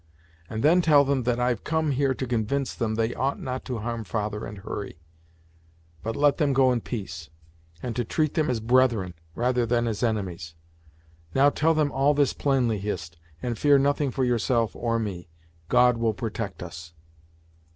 And then tell them that I've come here to convince them they ought not to harm father and Hurry, but let them go in peace, and to treat them as brethren rather than as enemies. Now tell them all this plainly, Hist, and fear nothing for yourself or me. God will protect us."